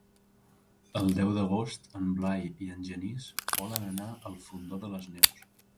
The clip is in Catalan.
El deu d'agost en Blai i en Genís volen anar al Fondó de les Neus.